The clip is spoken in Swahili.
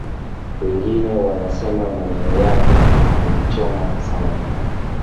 Wengine wanasema maneno yake yamenichoma sana…